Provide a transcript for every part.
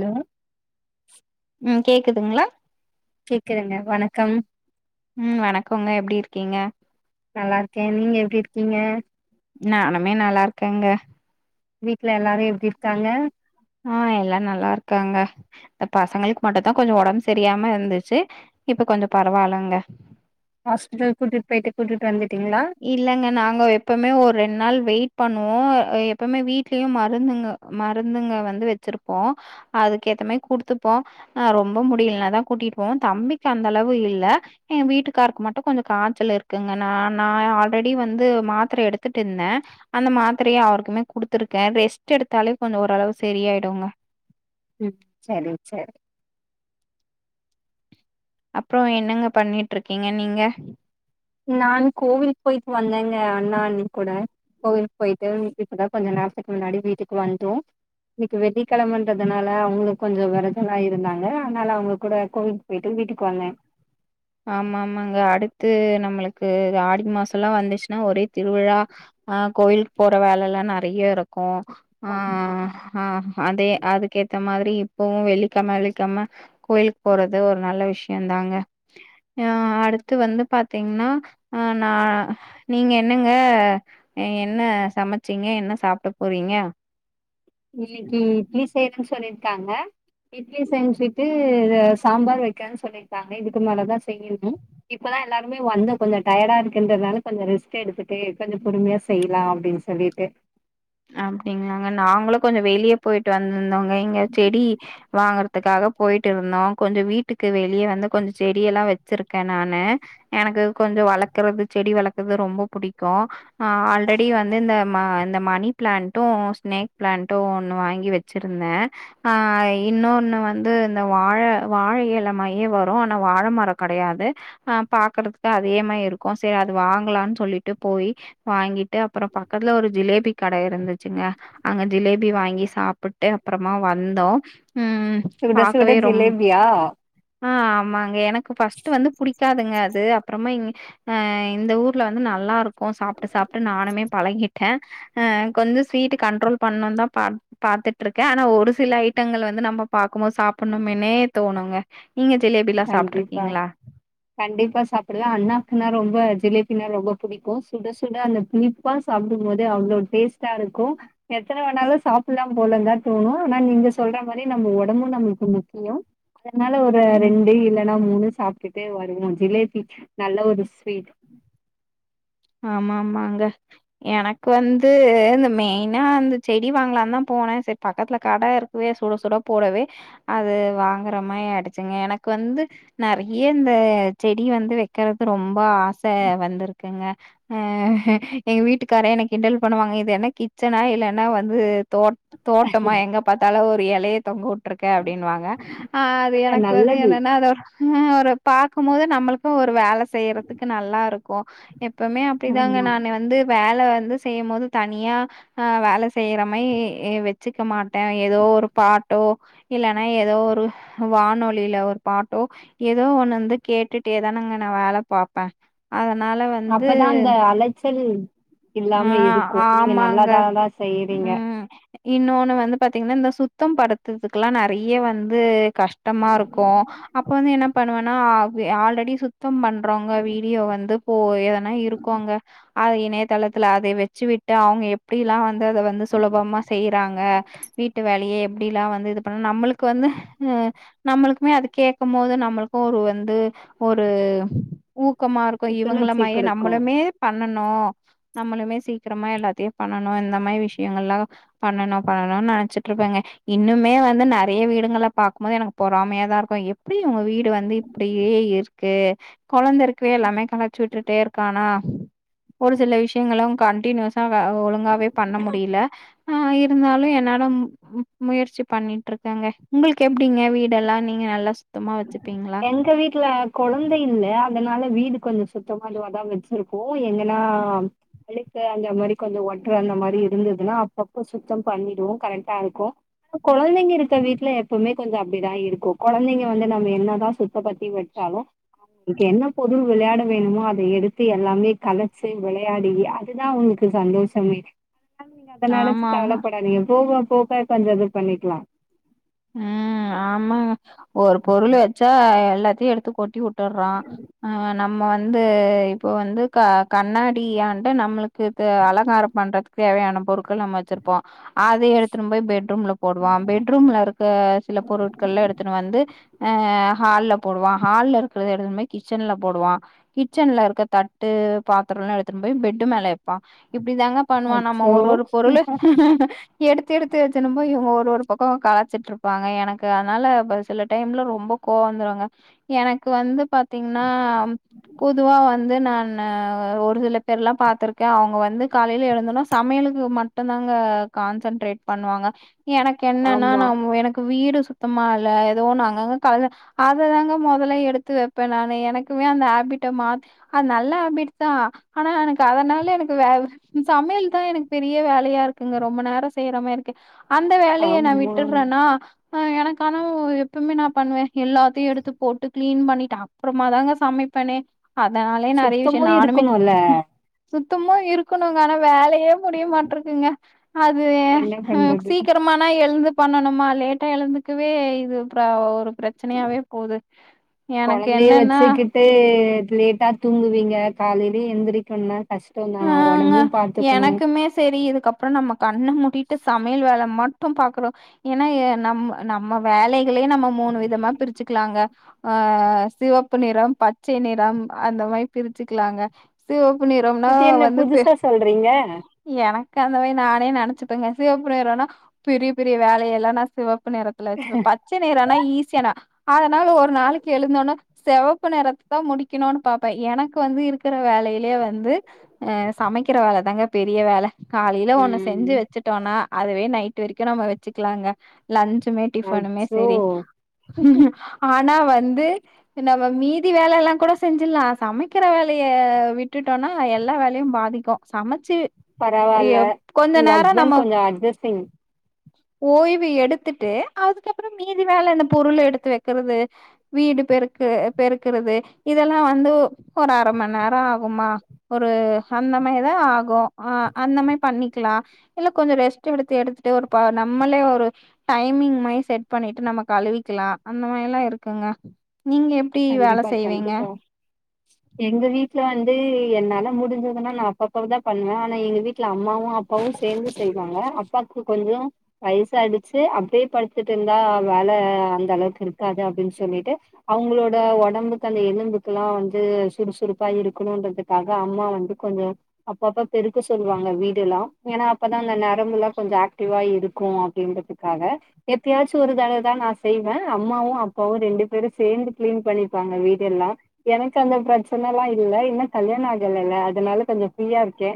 Hello ம் கேக்குதுங்களா கேக்குதுங்க வணக்கம் ம் வணக்கோங்க எப்டி இருக்கீங்க நல்லா இருக்கே நீங்க எப்டி இருக்கீங்க நானுமே நல்லா இருக்கேங்க வீட்ல எல்லாரு எப்டி இருக்காங்க ஆ எல்லாரு நல்லா இருக்காங்க இந்த பசங்களுக்கு மட்டு தா கொஞ்சோ ஓடம்பு சரியாம இருந்துச்சு இப்ப கொஞ்சோ பெரவாலங்க ஹாஸ்பிட்டல் கூட்டிட்டு போயிட்டு கூட்டிட்டு வந்துட்டீங்களா இல்லங்க நாங்க எப்பமே ஒரு ரெண்டு நாள் வெயிட் பண்ணுவோ எப்பமே வீட்லயு மருந்துங்க மருந்துங்க வந்து வச்சிருப்போ அதுக்கு ஏத்த மாரி குடுத்துப்போ ஆ ரொம்ப முடியலனா தா கூட்டிட்டு போவோ தம்பிக்கு அந்த அளவு இல்ல எ வீட்டுக்காருக்கு மட்டு கொஞ்சோ காய்ச்சல் இருக்குங்க நான் நா ஆல்ரெடி வந்து மாத்தர எடுத்துட்டு இருந்தே அந்த மாத்திரைய அவருக்குமே குடுத்துருக்கே ரெஸ்ட் எடுத்தாலே கொஞ்சோ ஓரளவு சரியாடுங்க ம் சேரி சேரி அப்றோ என்னங்க பண்ணிட்டு இருக்கீங்க நீங்க நா கோவிலுக்கு போயிட்டு வந்தேங்க அண்ணா அண்ணி கூட கோவிலுக்கு போயிட்டு இப்பதா கொஞ்ச நேரத்துக்கு முன்னாடி வீட்டுக்கு வந்தோ இன்னைக்கு வெள்ளிக்கிழமைன்றதுனால அவங்களு கொஞ்சோ வெரதோலா இருந்தாங்க அதனால அவங்க கூட கோயில் போயிட்டு வீட்டுக்கு வந்தே ஆமா ஆமாங்க அடுத்து நம்மளுக்கு ஆடி மாசோ எல்லா வந்துச்சுன்னா ஒரே திருவிழா ஆ கோயிலுக்கு போற வேல எல்லா நெறைய இருக்கு ஆ ஆமா ஆ அதே அதுக்கேத்த மாதிரி இப்பவு வெள்ளிக்கெழம வெள்ளிக்கெழம கோயில்க்கு போறது ஒரு நல்ல விஷ்யோ தாங்க அ அடுத்து வந்து பாத்திங்ன்னா அ நா நீங்க என்னங்க என்ன சமச்சீங்க என்ன சாப்ட போறீங்க இன்னைக்கு இட்லி செய்யறன்னு சொல்லிருக்காங்க இட்லி செஞ்சிட்டு சாம்பார் வைக்றேன்னு சொல்லிருக்காங்க இதுக்கு மேல தா செய்யணு இப்பதா எல்லாருமே வந்தோ கொஞ்சோ டயர்டா இருக்குன்றதுனால கொஞ்சோ ரெஸ்ட் எடுத்துட்டு கொஞ்சோ பொறுமையா செய்யலா அப்டின்னு சொல்லிட்டே அப்டிங்ளாங்க நாங்களு கொஞ்சோ வெளிய பொய்ட்டு வந்ருந்தோங்க இங்க செடி வாங்றது துக்காக பொய்ட்டிருந்தோ கொஞ்சோ வீட்டுக்கு வெளியே வந்து கொஞ்சோ செடியெல்லா வச்சிருக்கே நானு எனக்கு கொஞ்சோ வளக்கறது செடி வளக்கறது ரொம்ப புடிக்கு ஆ ஆல்ரெடி வந்து இந்த ம இந்த மணி பிளான்ட்டு ஸ்னேக் பிளான்ட்டு ஒன்னு வாங்கி வச்சுருந்தே ஆ இன்னொன்னு வந்து இந்த வாழ வாழ இலமாயே வரு ஆனா வாழ மரோ கெடையாது அ பாக்குறதுக்கு அதே மாரி இருக்கு சரி அது வாங்லானு சொல்லிட்டு போய் வாங்கிட்டு அப்பறோ பக்கத்ல ஒரு ஜிலேபி கட இருந்துச்சுங்க அங்க ஜிலேபி வாங்கி சாப்புட்டு அப்றமா வந்தோ ம் சுட சுட பாக்கவே ரொம் ஜிலேபியா ஆ ஆமாங்க எனக்கு ஃபஸ்ட் வந்து புடிக்காதுங்க அது அப்றமா இ அ இந்த ஊர்ல வந்து நல்லாருக்கு சாப்ட்டு சாப்ட்டு நானுமே பழகிட்டே ஆ கொஞசோ ஸ்வீட்டு கண்ட்ரோல் பண்ணுன்தா பாத் பாத்துட்ருக்கே ஆனா ஒரு சில ஐட்டங்கள் வந்து நம்ம பாக்கு போது சாப்புணுமேனே தோணுங்க நீங்க ஜிலேபில்லா கண்டிப்பா சாப்ட்டுருக்கீங்ளா கண்டிப்பா சாப்டுவே அண்ணாக்குனா ரொம்ப ஜிலேபினா ரொம்ப புடிக்கு சுட சுட அந்த புளி ப்பா சாப்டும் போதே அவ்ளோ டேஸ்ட்டா இருக்கு எத்தன வேணாலு சாப்புலா போல தா தோணு ஆனா நீங்க சொல்ற மாரி நம்ம ஒடம்பு நம்ளுக்கு முக்கியோ நல்ல ஒரு ம். ரெண்டு இல்லன்னா மூணு சாப்ட்டுட்டு வருவோ ஜிலேபி நல்ல ஒரு ஸ்வீட் ஆமாமாங்க எனக்கு வந்து இந்த மெய்னா அந்த செடி வாங்லான்தா போனே சரி பக்கத்ல கடருக் குவே சுட சுட போடவே அது வாங்ற மாரி ஆய்டுச்சுங்க எனக்கு வந்து நெறைய இந்த செடி வந்து வைக் கறது ரொம்ப ஆச வந்துருக்குங்க ஆ எங்க வீட்டுக்காரே என்ன கிண்டல் பண்ணுவாங்க இது என்ன கிச்சனா இல்லனா வந்து தோட் தோட்டமா எங்க பாத்தாலு ஒரு எலைய தொங்கவுட் டுருக்கே அப்டின்னுவாங்க ஆ அது இல்ல எனக்கு வந்து நல்லது என்னன்னா அது ஹ ஒரு பாக்கும்போது நம்ளுக்கு ஒரு வேல செய்றதுக்கு நல்லாருக்கு எப் ப்போமே அப்டிதாங்க ஆமா நானு வந்து வேல வந்து செய்யும் போது தனியா ஆ வேல செய்றே மாயி எ வச்சுக்க மாட் டே எதோ ஒரு பாட்டோ இல்லன்னா ஏதோ ஒரு வானொலில ஒரு பாட்டோ எதோ ஒன்னு வந்து கேட்டுட்டேதானங்க நா வேல பாப்பே அதனால வ அப்பதா அந்த அலச்சல் ஆ இல்லாமே இருக்கு நீங்க ஆமாங்க நல்லதாதா செய்றீங்க ம் இன்னொன்னு வந்து பாத்திங்ன்னா இந்த சுத்தோம் படுத்துதுக்லா நெறைய வந்து கஷ்டமாருக்கு அப்ப வந்து என்ன பண்ணுவனா ஆ ஆல்ரெடி சுத்தோம் பண்றவங்க வீடியோ வந்து போ எ ன்ன இருக்குங்க அத இணையதளத்துல அதை வச்சு விட்டு அவுங்க எப்டிலா வந்து அத வந்து சுலபமா செய்றாங்க வீட்டு வேலையே எப்டில்லா வந்து இது பண்ணனு நம்ளுக்கு வந்து அ நம்ளுக்குமே அது கேக்கு போது நம்மளுக்கு ஒரு வந்து ஒரு ஊக்கமாருக்கு இவங்கள புத்துணர்ச்சி மாரியே நம் கெடைக்கு மே பண்ணணு நம்மளுமே சீக்ரமா எல்லாத்தையு பண்ணணு இந்த மாரி விஷயங்கள்லா பண்ணணு பண்ணணு நெனைச்சிட்டு இருப்பேங்க இன்னுமே வந்து நெறைய வீடுங்கள பாக்கும் போது எனக்கு பொறாமையாதா இருக்கு எப்படி இவ்ங்க வீடு டு வந்து இப்படியே இருக்கு கொழந்த இருக்கவே எல்லாமே கலச்சு விட்டுட்டே இருக் கானா ஒரு சில விஷயங்களு கண்டனியூஸா வே ஒழுங்காவே பண்ண முடில ஆ இருந்தாலு என்னால மு மு முயற்சி பண்ணிட்டுருக்கங்க உங்களுக்கு எப்டிங்க வீடெல்லா நீங்க நல்லா சுத்தமா வச்சுப்பீங்களா எங்க வீட்ல கொழந்த இல்ல அதனால வீடு கொஞ்சொ சுத்தம் அதுவாதா வச்சிருக்கோ என்னனா அழுக்கு அந்த மாரி கொஞ்சொ ஒட்ர அந்த மாரி இருந்ததுன்னா அப்பப்ப சுத்தம் பண்ணிடுவோ கரெக்டாருக்கு கொழந்தைங்க இருக்க வீட்ல எப்போமே கொஞ்சொ அப்டிதா இருக்கு கொழந்தைங்க வந்து நம்ம என்னதா சுத்த பத்தி வெச்சாலு ஒனக்கு என்ன பொருள் விளையாட வேணுமோ அத எடுத்து எல்லாமே கலச்சு விளையாடி அதுதா அவ்னுக் [unintelligible] சந்தோஷமே அதுனால நீங்க அத நெனச்சு ஆமா ஆமா கவலப்படாதீங்க போக போக கொஞ்சோ இது பண்ணிக்கலா ம் ஆமா ஒரு பொருளு வெச்சா எல்லாத்தையு எடுத்து கொட்டி உட் டர்றா அ நம்ம வந்து இப்போ வந்து க கண்ணாடியான்ட நம்மளுக் இப்ப அலங்காரம் பண்றத்துக் தேவையான பொருட்கள் நம்ம வெச்சிருப்போ அத எடுத்துனு போய் பெட்ரூம்ல போடுவா பெட்ரூம்ல இரு க்க சில பொருட்கள்லா எடுத்துனு வந்து அ ஹால்ல போடுவா ஹால்ல இருக்றது எடுத்துன் போய் கிச்சன்ல போடுவா கிச்சன்ல இருக்க தட்டு பாத்தரோ எல்லா எடுத்துன் போய் பெட்டு மேல வெப்பா இப்டிதாங்க பண்ணுவானாமா அச்சோ ஒரு ஒரு பொருளு எடுத்து எடுத்து வெச்சுணும்போ இவுங்க ஒரு ஒரு பக்கோ கலா ச்சிட்ருப்பாங்க எனக்கு அதுனால ப சில டைம்ல ரொம்ப கோவ் வந்துருங்க எனக்கு வந்து பா த்தீங்ன்னா பொதுவா வந்து நானு ஒரு சில பேர்லா பாத்திருக்கே அவுங்க வந்து காலைல எழுந்தொன்னே சமையலுக்கு மட்டுந்தாங்க கான்சன்ட்ரேட் பண்ணுவாங்க எனக்கு என்னனா ஆமா நம் எனக்கு வீடு சுத்தமா இல்ல எதோ ஒன்னு அங்கங்க கடந்தா அததாங்க மொதல்ல எடுத்து வெப்பே நானு எனக்குமே அந்த ஹேபிட்ட மாத் அத் நல்ல ஹேபிட்டுதா ஆனா எனக்கு அதனால எனக்கு வே ம் சமையல்தா எனக் பெரிய வேலையா இருக்குங்க ரொம்ப நேரோ செய்ற மார்ருக்கு அந்த வேலைய நா ஆமா விட் ஆ அ எனக்கானா எப்பமே நா பண்வே எல்லாத்தயு எடுத்து போட்டு க்ளீன் பண்ணீட்டு அப்றமாதாங்க சமைப்பனே அதனாலயே நெறைய விஷ்யோ சுத்தமு நானுமே இருக்கணுல்ல சுத்தமு இருக்கணுங்க ஆனா வேலையே முடியமாட்ருக்குங்க அது எ என்ன ம் பண்றது சீக்கர மானா எழ்ந்து பண்ணனுமா லேட்டா எழுந்துக்கவே இது ப்ரா ஒரு பிரச் சனையாவே போது எனக் என்னன்னா ட்டு லேட்டா தூங்குவீங்க காலைலே எந்திரிக்கணுனா ஆங்க எனக்குமே செரி இதுக்கப் றோ நம்ம கண்ண மூடிட்டு சமையல் வேல மட்டு பாக்குறோ ஏனா ஏ நம்ம நம்ம வேலைகளே நம்ம மூணு விதமா பிரிச்சுக்லாங்க ஆ சிவப்பு நிறம், பச்சை நிறம் அந்த மாரி பிரிச்சுக்லாங்க சிவப்பு நிறம் நா வந்து பே றீங்க எனக் அந்த மாரி நானே நெனச்சுப்பங்க சிவப்பு நிறோனா பெரிய பெரிய வேலையெல்லா நா சிவப்பு நிறத்துல வெச்சுப்ப பச்ச நிறோனா ஈஸியான அதனால ஒரு நாளைக்கி எழுந்தோன்னே செவப்பு நிறத்ததா முடிக்கணுன் பாப்பே எனக்கு வந்து இருக்கற வேலையிலே வந்து அ சமைக்கிற வேல தாங்க பெரிய வேல காலைல ஒன்னு ம் செஞ்சு வெச்சுட்டோனா அதுவே நைட்டு வரைக்கு நம்ம வெச்சுக்லாங்க லன்ச்சுமே, டிஃபனுமே அச்சோ செரி ஆனா வந்து நம்ம மீதி வேல எல்லா கூட செஞ்சிர்லா சமைக்கிற வேலைய விட்டுட்டோனா எல்லா வேலையு பாதிக்கு சமச்சி அய் பரவால்ல எப் கொஞ்ச உங்க நேரோ நம்ம ஹஸ்பண்ட் கொஞ்சோ அட்ஜஸ்டிங் ஓய்வு எடுத்துட்டு அதுக்கப்றோ மீதி வேல அந்த பொருள் எடுத்து வெக்கறது வீடு பெருக்கு அ பெருக்குறது இதெல்லா வந்து ஒரு அர மண் நேரோ ஆகுமா ஒரு அந்த மாரிதா ஆகு ஆ அந்த மாரி பண்ணிக்லா இல்ல கொஞ்சோ ரெஸ்ட் எடுத்து எடுத்துட்டு ஒரு ப நம்மளே ஒரு டைமிங் மாரி செட் பண்ணீட்டு நம்ம கழுவிக்கலா அந்த மாரில்லா இருக்குங்க நீங்க எப் டி வேல கண்டிப்பா செய்வீங்க கண்டிப்பா எங்க வீட்ல வந்து என்னால முடிஞ்சதுன்னா நா அப்ப அப்ப தா பண்ணுவே ஆனா எங்க வீட் ல அம்மாவு அப்பாவு சேந்து செய்வாங்க அப்பாக்கு கொஞ்சோ வயசாயிடுச்சு அப்டியே படுத்துட்டு இருந்தா வேல அந்த அளவுக்கு இருக்காது அப்டின்னு சொல்லிட்டு அவங்களோட ட உடம்புக்கு அந்த எலும்புக்கெல்லா வந்து சுறுசுறுப்பா இருக்கணுறதுக்காக அம்மா வந்து கொஞ்சோ அப்ப அப்ப பெருக்க சொல்லுவாங்க வீடு எல்லா ஏனா அப்பதா அந்த நரம்புல்லா கொஞ்சோ ஆக்டிவா இருக்கு அப்டின்ற துகாக எப்பயாச்சு ஒரு தடவ தா நா செய்வே அம்மாவு அப்பாவு ரெண்டு பேரும் சேந்து க்ளீன் பண்ணிபாங்க வீடு எல்லா எனக்கு அந்த பிரச்சனலா இல்ல இன்னு கல்யாணோ ஆகலல்ல அதனால கொஞ்சோ ஃப்ரீயா இருக்கே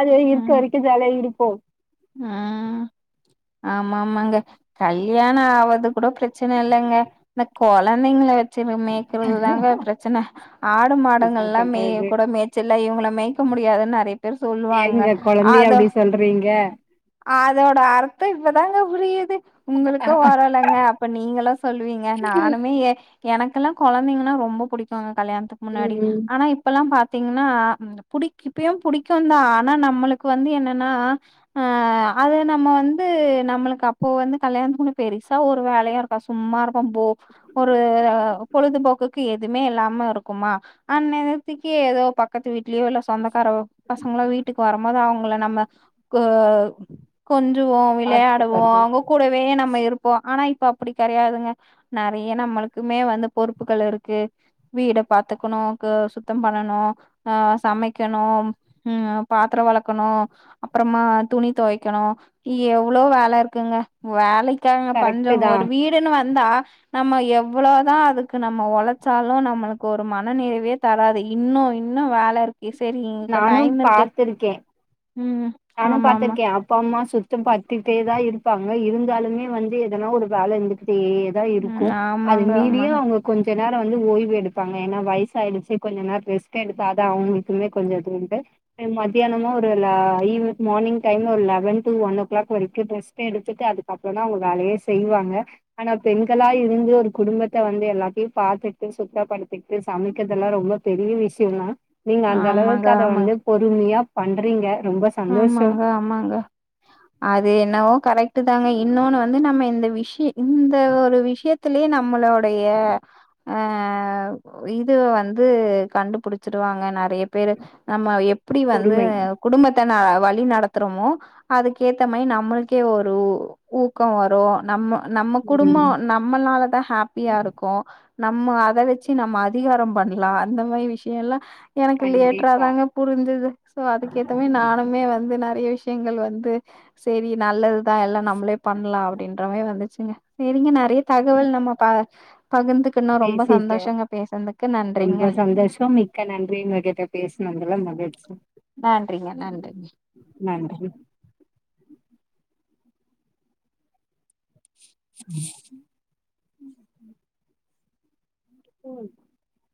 அதுவே இருக்க ம் வரைக்கு ஜாலியா இருப்போ ம் ஆமாமாங்க கல்யாணோ ஆவது கூட பிரச்சன இல்லங்க இந்த கொழந்தைங்கள வெச்சு மேக்கிறது தாங்க பிரச்சன ஆடு மாடுங்கள் என்ன எல்லா மேய் பண்றது கூட மேய்ச்சலா இவங்கள மேய்க முடியாதுன்னு நிறைய பேர் சொல்லுவாங்க கொழந்தையா அத அப்டி சொல்றீங்க அதோட அர்த்தோ இப்பதாங்க புரியுது உங்களுக்கு வருலங்க அப்ப நீங்களு சொல்லுவீங்க நானுமே ஏ எனக்கெல்லா கொழந்தைங்கனா ரொம்ப புடிக்குங்க கல்யாணத்துக்கு ம் முன்னாடி ம். ஆனா இப்பெல்லா பாத்தீங்கனா புடி இப்பயும் புடிக்கும்தா ஆனா நம்மளுக்கு வந்து என்னனா அத நம்ம வந்து நம்மளுக்கு அப்போ வந்து கல்யாணத்துக்கு முன்ன பெருசா ஒரு வேலையு இருக்காது சும்மா இருக்கும் போர் ஒரு பொழுதுபோக்குக்கு எதுமே இல்லாம இருக்குமா அந் என்னத்திக்கி ஏதோ பக்கத்து வீட்டுலயோ இல்ல ஸ் சொந்தக்கார பசங்கலு வீட்டுக்கு வரும்போது அவங்கள நம்ம கொ கொஞ்சுவோ விளையாடுவோ பாத்துக்கறது அவங்க கூடவே நம்ம இருப்போ ஆனா இப்ப அப்டி கெடையாதுங்க நெறைய நம்மளுக்குமே வந்து பொறுப்புகள் இருக்கு வீட பாத்துக்கணு க சுத்தோ பண்ணணு அ சமைக்கணு ம் பாத்தரோ வெளக்கணு அப்றோமா துணி தொவைக்கணு எவ்வளோ வேல இருக்குங்க வேலைக்காங்க பஞ்சோ கரெக்ட்டு தா ஒரு வீடுன்னு வந்தா நம்ம எவ்ளோதா அதுக்கு நம்ம ஒழச்சாலு நம்மளுக்கு ஒரு மன நிறைவே தராது இன்னு இன்னு வேல இருக்கு செரி இப்ப நானு டைம் இருக்கு பாத்திருக்கே ம் நானு ஆமா ஆமா பாத்திருக்கே அப்பா அம்மா சுத்தம் படுத்துட்டே தா இருப்பாங்க இருந்தாலுமே வந்து எதனா ஒரு வேல இருந்துக்கிட்டே இரு தா ம் இருக்கு அது ஆமாங்க ஆமா மீறியு அவுங்க கொஞ்சோ நேரோ வந்து ஓய்வு எடுப்பாங்க ஏனா வயசு ஆயிடுச்சு கொஞ்ச நேரோ ரெஸ்டு எடுத்தா தா அவங்களுக்குமே கொஞ்சோ இதுண்டு மத்தியானமா ஒரு லா மார்னிங் டைம் ஒரு லெவன் டு ஒன்ஓ க்ளாக் வரைக்கு ரெஸ்டு எடுத்துட்டு அதுக்கப்புறோ தா அவங்க வேலையே செய்வாங்க ஆனா பெண்களா இருந்து ஒரு குடும்பத்த வந்து எல்லாத்தையு பாத்துட்டு சுத்தப்படுத்திட் சமைக்கிறதெல்லா ரொம்ப பெரிய விஷ்யோங்க நீங்க அந்த ஆமாங்க அளவுக்கு அத வந்து ஆமாங்க பொறுமையா பண்றீங்க ரொம்ப சந்தோஷோ ஆமாங்க ஆமாங்க அது என்னவோ கரெக்டு தாங்க இன்னொனு வந்து நம்ம இந்த விஷ்ய இந்த ஒரு விஷ்ய த்துலயே நம்மளோடைய அ இது வந்து கண்டுபிடிச்சிருவாங்க நெறைய பேரு நம்ம எப்டி வந்து பொறுமை குடும்பத்த ந வழி நடத்துறமோ அதுக்கேத்த மாரி நம்மளுக்கே ஒரு ஊ ஊக்கோ வரு நம்ம நம்ம குடும்போ ம் ந ம்மளாலதா ஹாப்பியா இருக்கோ நம்ம அத வச்சு நம்ம அதிகாரோ பண்ணலா அந்த மாரி விஷ்யோ எல்லா எனக்கு லேட்ரா கண்டிப்பா தாங்க புரிஞ்சுது சோ அதுக்கேத்த நானுமே வந்து நிறைய விஷயங்கள் வந்து செரி நல்லதுதா எல்லா நம்மளே பண்ணலா அப்படின்றமேரி வந்துச்சுங்க சரிங்க ந நிறய தகவல் நம்ம பகிர்ந்துக்கன்னோ ரொம்ப சந்தோஷங்க பேசுனதுக்கு நன்றிங்க ஷோ மி மிக்க நன்றின் உங்க கிட்ட பேசணதுல்ல மகிழ்ச்சி நன்றிங்க நன்றிங்க நன்றி ம் ம்